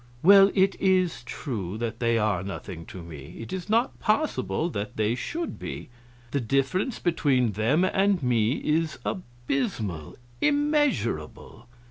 "Well, it is true that they are nothing to me. It is not possible that they should be. The difference between them and me is abysmal, immeasurable.